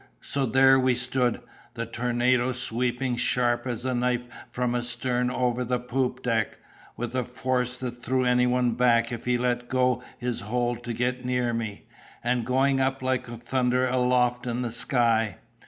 So there we stood, the tornado sweeping sharp as a knife from astern over the poop deck, with a force that threw anyone back if he let go his hold to get near me, and going up like thunder aloft in the sky.